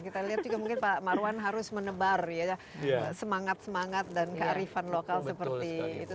kita lihat juga mungkin pak marwan harus menebar semangat semangat dan kearifan lokal seperti itu